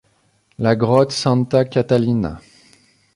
La grotte Santa Catalina.